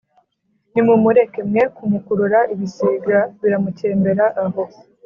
Nimumureke mwe kumukurura ibisiga bimukembere aho.